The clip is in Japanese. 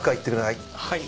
はい。